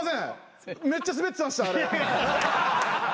めっちゃスベってましたあれ。